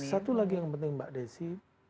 satu lagi yang penting mbak desi